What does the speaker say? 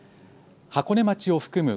箱根町を含む